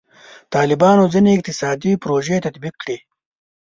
طالبانو ځینې اقتصادي پروژې تطبیق کړي.